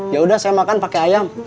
yaudah saya makan pake ayam